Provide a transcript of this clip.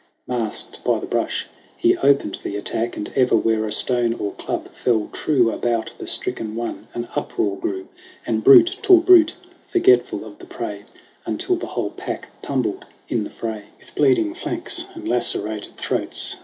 Masked by the brush he opened the attack, And ever where a stone or club fell true, About the stricken one an uproar grew And brute tore brute, forgetful of the prey, Until the whole pack tumbled in the fray 70 SONG OF HUGH GLASS With bleeding flanks and lacerated throats.